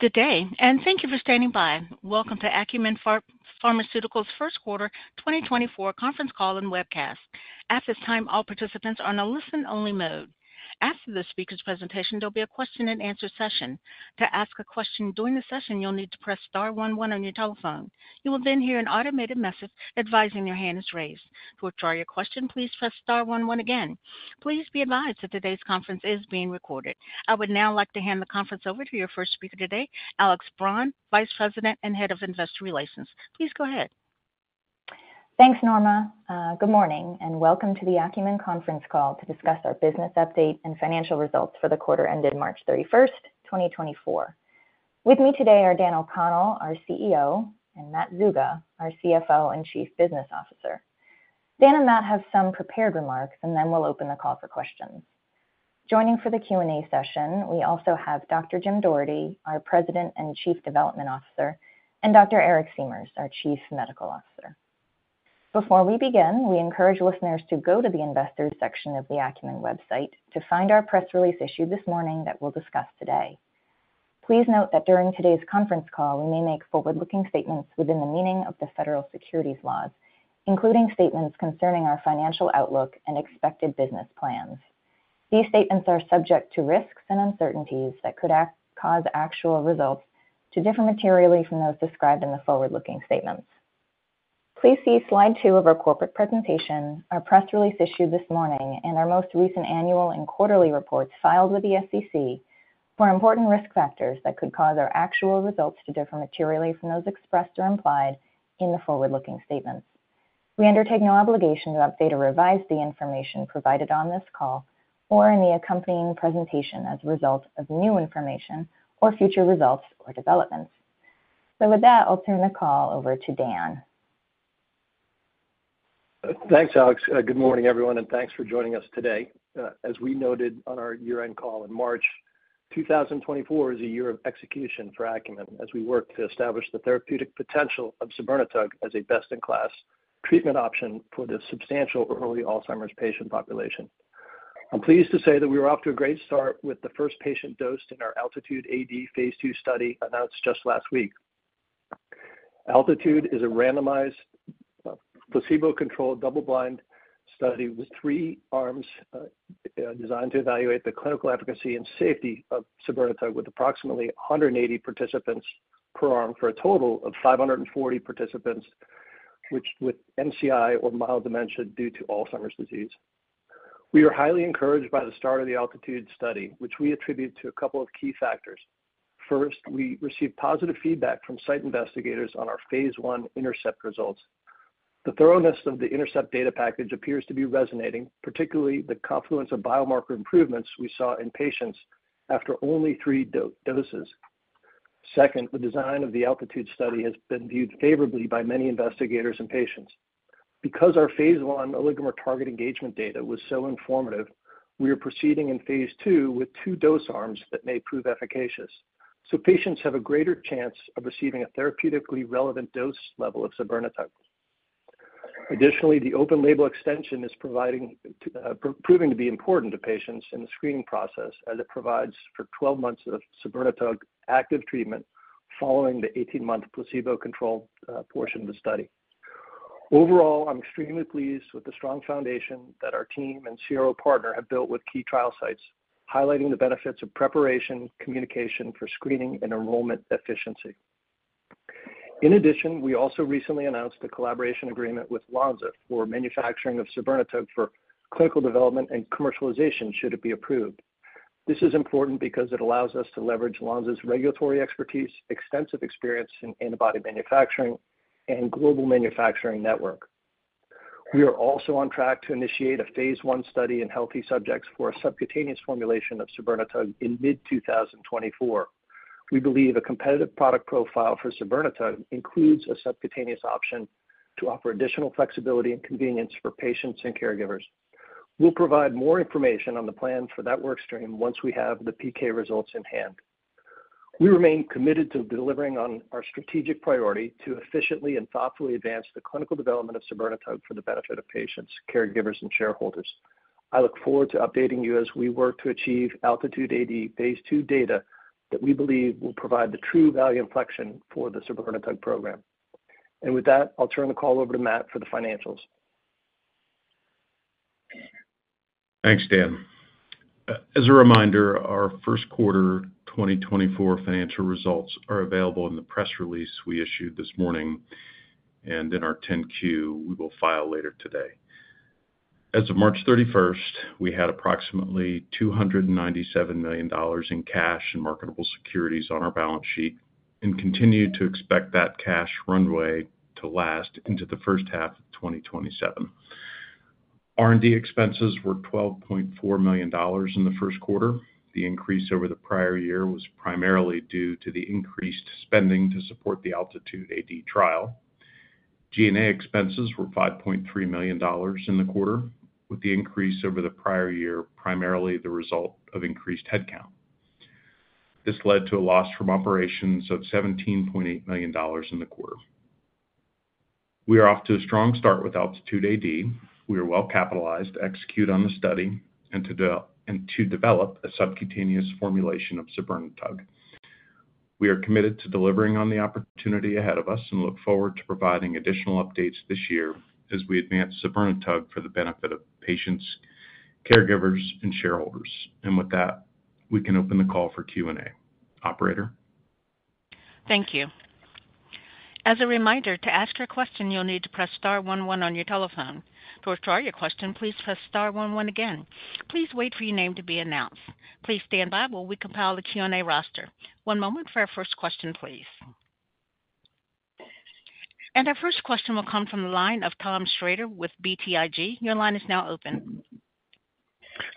Good day, and thank you for standing by. Welcome to Acumen Pharmaceuticals' First Quarter 2024 conference call and webcast. At this time, all participants are in a listen-only mode. After the speaker's presentation, there'll be a question-and-answer session. To ask a question during the session, you'll need to press star one one on your telephone. You will then hear an automated message advising your hand is raised. To withdraw your question, please press star one one again. Please be advised that today's conference is being recorded. I would now like to hand the conference over to your first speaker today, Alex Braun, Vice President and Head of Investor Relations. Please go ahead. Thanks, Norma. Good morning, and welcome to the Acumen conference call to discuss our business update and financial results for the quarter ended March 31, 2024. With me today are Dan O'Connell, our CEO, and Matt Zuga, our CFO and Chief Business Officer. Dan and Matt have some prepared remarks, and then we'll open the call for questions. Joining for the Q&A session, we also have Dr. Jim Doherty, our President and Chief Development Officer, and Dr. Eric Siemers, our Chief Medical Officer. Before we begin, we encourage listeners to go to the Investors section of the Acumen website to find our press release issued this morning that we'll discuss today. Please note that during today's conference call, we may make forward-looking statements within the meaning of the federal securities laws, including statements concerning our financial outlook and expected business plans. These statements are subject to risks and uncertainties that could cause actual results to differ materially from those described in the forward-looking statements. Please see slide two of our corporate presentation, our press release issued this morning, and our most recent annual and quarterly reports filed with the SEC for important risk factors that could cause our actual results to differ materially from those expressed or implied in the forward-looking statements. We undertake no obligation to update or revise the information provided on this call or in the accompanying presentation as a result of new information or future results or developments. So with that, I'll turn the call over to Dan. Thanks, Alex. Good morning, everyone, and thanks for joining us today. As we noted on our year-end call in March, 2024 is a year of execution for Acumen as we work to establish the therapeutic potential of sabirnetug as a best-in-class treatment option for the substantial early Alzheimer's patient population. I'm pleased to say that we were off to a great start with the first patient dosed in our ALTITUDE-AD Phase 2 study announced just last week. Altitude is a randomized, placebo-controlled double-blind study with three arms designed to evaluate the clinical efficacy and safety of sabirnetug with approximately 180 participants per arm for a total of 540 participants with MCI or mild dementia due to Alzheimer's disease. We were highly encouraged by the start of the Altitude study, which we attribute to a couple of key factors. First, we received positive feedback from site investigators on our phase 1 INTERCEPT-AD results. The thoroughness of the INTERCEPT-AD data package appears to be resonating, particularly the confluence of biomarker improvements we saw in patients after only 3 doses. Second, the design of the ALTITUDE-AD study has been viewed favorably by many investigators and patients. Because our phase 1 oligomer target engagement data was so informative, we are proceeding in phase 2 with two dose arms that may prove efficacious, so patients have a greater chance of receiving a therapeutically relevant dose level of sabirnetug. Additionally, the open-label extension is proving to be important to patients in the screening process as it provides for 12 months of sabirnetug active treatment following the 18-month placebo-controlled portion of the study. Overall, I'm extremely pleased with the strong foundation that our team and CRO partner have built with key trial sites, highlighting the benefits of preparation, communication for screening, and enrollment efficiency. In addition, we also recently announced a collaboration agreement with Lonza for manufacturing of sabirnetug for clinical development and commercialization should it be approved. This is important because it allows us to leverage Lonza's regulatory expertise, extensive experience in antibody manufacturing, and global manufacturing network. We are also on track to initiate a phase 1 study in healthy subjects for a subcutaneous formulation of sabirnetug in mid-2024. We believe a competitive product profile for sabirnetug includes a subcutaneous option to offer additional flexibility and convenience for patients and caregivers. We'll provide more information on the plan for that workstream once we have the PK results in hand. We remain committed to delivering on our strategic priority to efficiently and thoughtfully advance the clinical development of Sabirnetug for the benefit of patients, caregivers, and shareholders. I look forward to updating you as we work to achieve Altitude AD Phase 2 data that we believe will provide the true value inflection for the Sabirnetug program. And with that, I'll turn the call over to Matt for the financials. Thanks, Dan. As a reminder, our first quarter 2024 financial results are available in the press release we issued this morning and in our 10-Q we will file later today. As of March 31, we had approximately $297 million in cash and marketable securities on our balance sheet and continue to expect that cash runway to last into the first half of 2027. R&D expenses were $12.4 million in the first quarter. The increase over the prior year was primarily due to the increased spending to support the Altitude AD trial. G&A expenses were $5.3 million in the quarter, with the increase over the prior year primarily the result of increased headcount. This led to a loss from operations of $17.8 million in the quarter. We are off to a strong start with Altitude AD. We are well capitalized, execute on the study, and to develop a subcutaneous formulation of Sabirnetug. We are committed to delivering on the opportunity ahead of us and look forward to providing additional updates this year as we advance Sabirnetug for the benefit of patients, caregivers, and shareholders. With that, we can open the call for Q&A. Operator? Thank you. As a reminder, to ask your question, you'll need to press star one one on your telephone. To withdraw your question, please press star one one again. Please wait for your name to be announced. Please stand by while we compile the Q&A roster. One moment for our first question, please. Our first question will come from the line of Tom Schrader with BTIG. Your line is now open.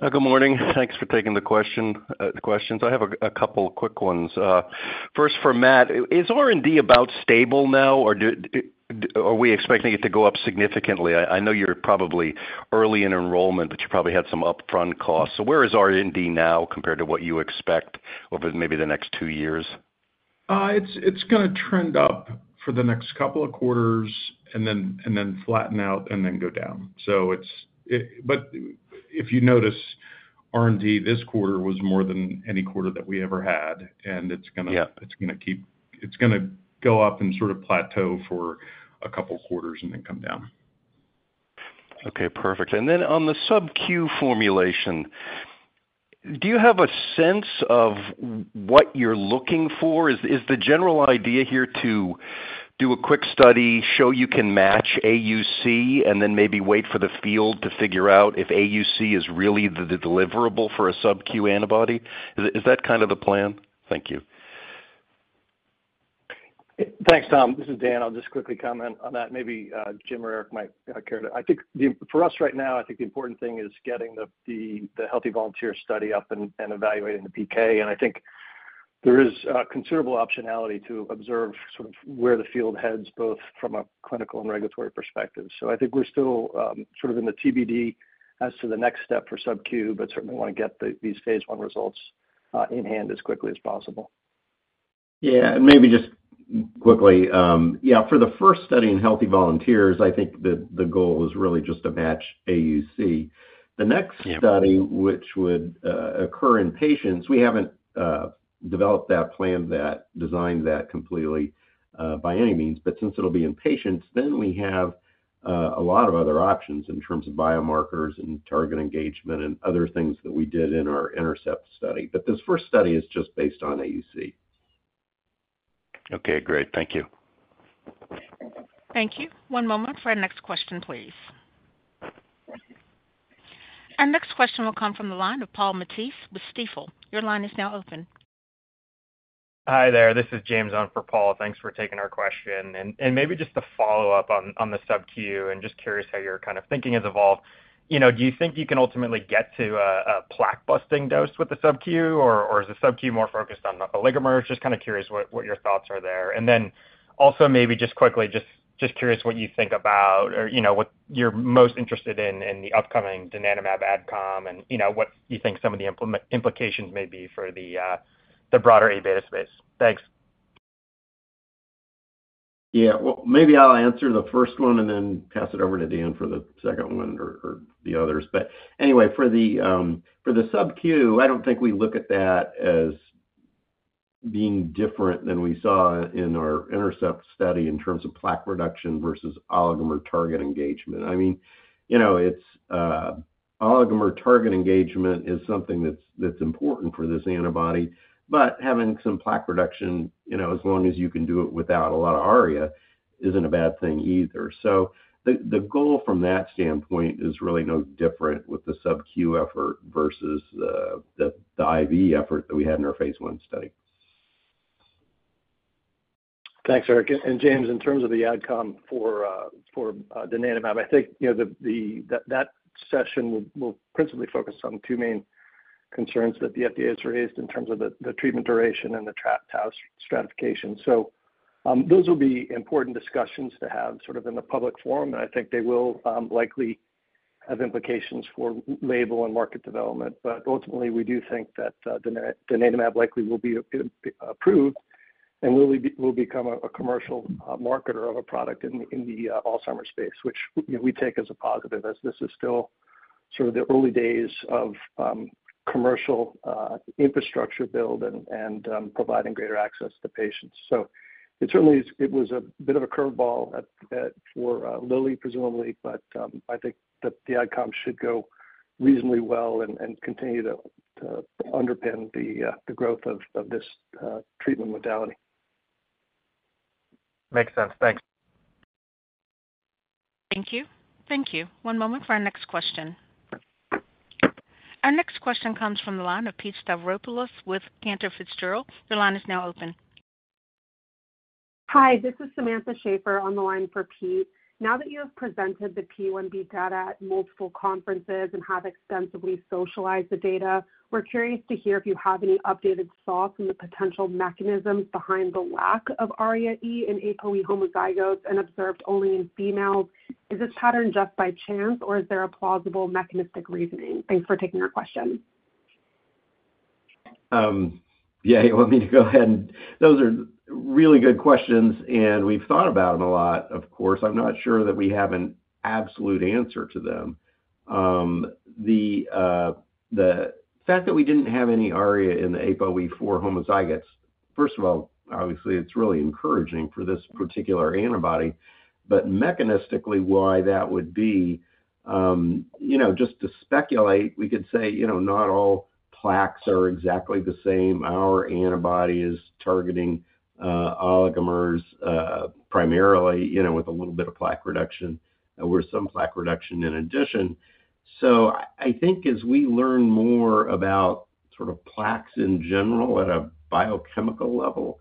Good morning. Thanks for taking the questions. I have a couple of quick ones. First, for Matt, is R&D about stable now, or are we expecting it to go up significantly? I know you're probably early in enrollment, but you probably had some upfront costs. So where is R&D now compared to what you expect over maybe the next two years? It's going to trend up for the next couple of quarters and then flatten out and then go down. But if you notice, R&D this quarter was more than any quarter that we ever had, and it's going to keep going to go up and sort of plateau for a couple of quarters and then come down. Okay, perfect. And then on the sub-Q formulation, do you have a sense of what you're looking for? Is the general idea here to do a quick study, show you can match AUC, and then maybe wait for the field to figure out if AUC is really the deliverable for a sub-Q antibody? Is that kind of the plan? Thank you. Thanks, Tom. This is Dan. I'll just quickly comment on that. Maybe Jim or Eric might care to. I think for us right now, I think the important thing is getting the healthy volunteer study up and evaluating the PK. And I think there is considerable optionality to observe sort of where the field heads, both from a clinical and regulatory perspective. So I think we're still sort of in the TBD as to the next step for sub-Q, but certainly want to get these Phase 1 results in hand as quickly as possible. Yeah, and maybe just quickly, yeah, for the first study in healthy volunteers, I think the goal is really just to match AUC. The next study, which would occur in patients we haven't developed that plan, that designed that completely by any means. But since it'll be in patients, then we have a lot of other options in terms of biomarkers and target engagement and other things that we did in our INTERCEPT study. But this first study is just based on AUC. Okay, great. Thank you. Thank you. One moment for our next question, please. Our next question will come from the line of Paul Matteis with Stifel. Your line is now open. Hi there. This is James on for Paul. Thanks for taking our question. And maybe just to follow up on the sub-Q and just curious how you're kind of thinking has evolved. Do you think you can ultimately get to a plaque-busting dose with the sub-Q, or is the sub-Q more focused on oligomers? Just kind of curious what your thoughts are there. And then also maybe just quickly, just curious what you think about or what you're most interested in in the upcoming donanemab AdCom and what you think some of the implications may be for the broader A-beta space. Thanks. Yeah, well, maybe I'll answer the first one and then pass it over to Dan for the second one or the others. But anyway, for the sub-Q, I don't think we look at that as being different than we saw in our INTERCEPT study in terms of plaque reduction versus oligomer target engagement. I mean, oligomer target engagement is something that's important for this antibody, but having some plaque reduction, as long as you can do it without a lot of ARIA, isn't a bad thing either. So the goal from that standpoint is really no different with the sub-Q effort versus the IV effort that we had in our Phase 1 study. Thanks, Eric. And James, in terms of the AdCom for donanemab, I think that session will principally focus on two main concerns that the FDA has raised in terms of the treatment duration and the tau stratification. So those will be important discussions to have sort of in the public forum, and I think they will likely have implications for label and market development. But ultimately, we do think that donanemab likely will be approved and will become a commercial marketer of a product in the Alzheimer's space, which we take as a positive as this is still sort of the early days of commercial infrastructure build and providing greater access to patients. So it certainly was a bit of a curveball for Lilly, presumably, but I think that the AdCom should go reasonably well and continue to underpin the growth of this treatment modality. Makes sense. Thanks. Thank you. Thank you. One moment for our next question. Our next question comes from the line of Pete Stavropoulos with Cantor Fitzgerald. Your line is now open. Hi, this is Samantha Schaeffer on the line for Pete. Now that you have presented the P1B data at multiple conferences and have extensively socialized the data, we're curious to hear if you have any updated thoughts on the potential mechanisms behind the lack of ARIA-E in ApoE homozygotes and observed only in females. Is this pattern just by chance, or is there a plausible mechanistic reasoning? Thanks for taking our question. Yeah, you want me to go ahead and those are really good questions, and we've thought about them a lot. Of course, I'm not sure that we have an absolute answer to them. The fact that we didn't have any ARIA in the ApoE4 homozygotes, first of all, obviously, it's really encouraging for this particular antibody. But mechanistically, why that would be just to speculate, we could say not all plaques are exactly the same. Our antibody is targeting oligomers primarily with a little bit of plaque reduction or some plaque reduction in addition. So I think as we learn more about sort of plaques in general at a biochemical level,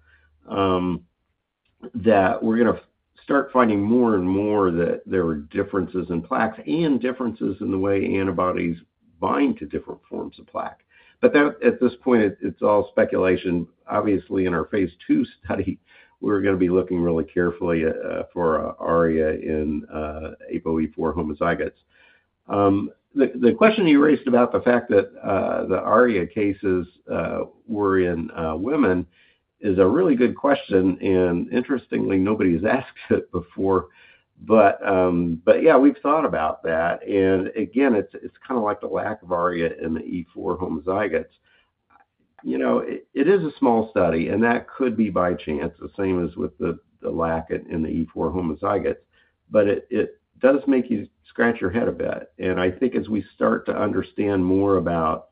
that we're going to start finding more and more that there are differences in plaques and differences in the way antibodies bind to different forms of plaque. But at this point, it's all speculation. Obviously, in our Phase 2 study, we're going to be looking really carefully for ARIA in ApoE4 homozygotes. The question you raised about the fact that the ARIA cases were in women is a really good question, and interestingly, nobody has asked it before. But yeah, we've thought about that. And again, it's kind of like the lack of ARIA in the E4 homozygotes. It is a small study, and that could be by chance, the same as with the lack in the E4 homozygotes. But it does make you scratch your head a bit. And I think as we start to understand more about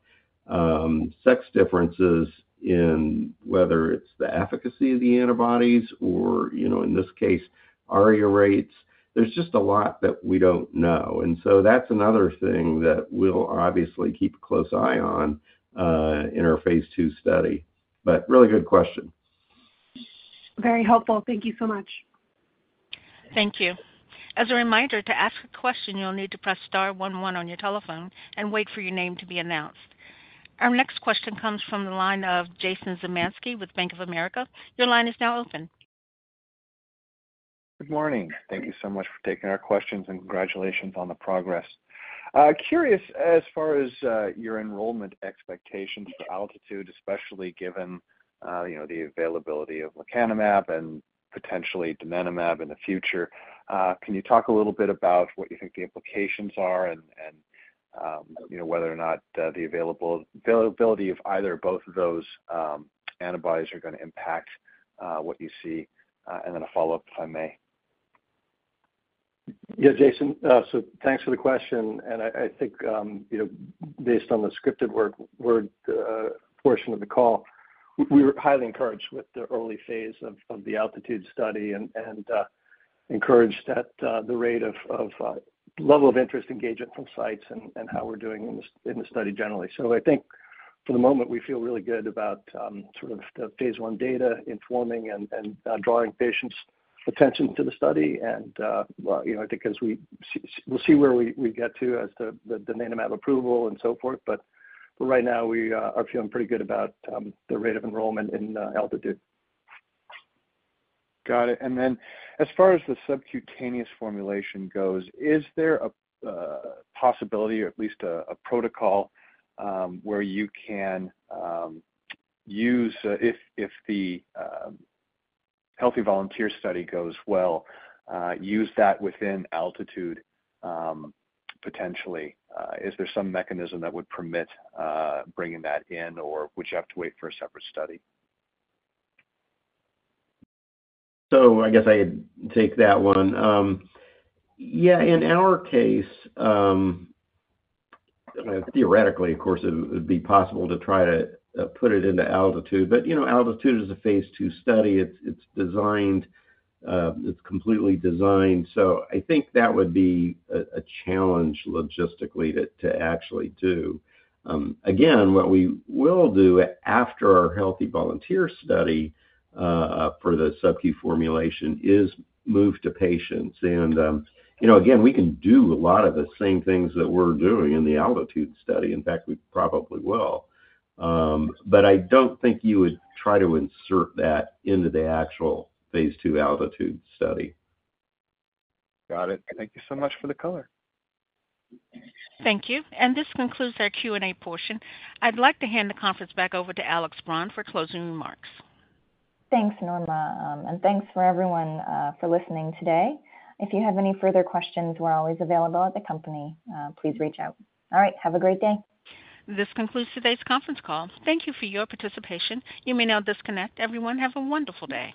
sex differences in whether it's the efficacy of the antibodies or, in this case, ARIA rates, there's just a lot that we don't know. And so that's another thing that we'll obviously keep a close eye on in our Phase 2 study. But really good question. Very helpful. Thank you so much. Thank you. As a reminder, to ask a question, you'll need to press star one one on your telephone and wait for your name to be announced. Our next question comes from the line of Jason Zemansky with Bank of America. Your line is now open. Good morning. Thank you so much for taking our questions and congratulations on the progress. Curious, as far as your enrollment expectations for Altitude, especially given the availability of lecanemab and potentially donanemab in the future, can you talk a little bit about what you think the implications are and whether or not the availability of either or both of those antibodies are going to impact what you see? And then a follow-up, if I may. Yeah, Jason. So thanks for the question. And I think based on the scripted word portion of the call, we were highly encouraged with the early phase of the Altitude study and encouraged at the rate of level of interest engagement from sites and how we're doing in the study generally. So I think for the moment, we feel really good about sort of the Phase 1 data informing and drawing patients' attention to the study. And I think as we we'll see where we get to as to the donanemab approval and so forth. But right now, we are feeling pretty good about the rate of enrollment in Altitude. Got it. And then as far as the subcutaneous formulation goes, is there a possibility or at least a protocol where you can use, if the healthy volunteer study goes well, use that within Altitude potentially? Is there some mechanism that would permit bringing that in, or would you have to wait for a separate study? So I guess I'd take that one. Yeah, in our case, theoretically, of course, it would be possible to try to put it into Altitude. But Altitude is a Phase 2 study. It's completely designed. So I think that would be a challenge logistically to actually do. Again, what we will do after our healthy volunteer study for the sub-Q formulation is move to patients. And again, we can do a lot of the same things that we're doing in the Altitude study. In fact, we probably will. But I don't think you would try to insert that into the actual Phase 2 Altitude study. Got it. Thank you so much for the color. Thank you. This concludes our Q&A portion. I'd like to hand the conference back over to Alex Braun for closing remarks. Thanks, Norma. And thanks for everyone for listening today. If you have any further questions, we're always available at the company. Please reach out. All right. Have a great day. This concludes today's conference call. Thank you for your participation. You may now disconnect. Everyone, have a wonderful day.